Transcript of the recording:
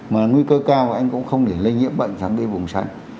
mà nguy cơ cao anh cũng không thể lây nhiễm bệnh sẵn đi vùng xanh